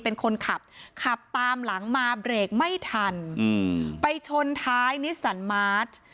เป็นคนขับขับตามหลังมาเบรกไม่ทันอืมไปชนท้ายนิสสันมาร์ช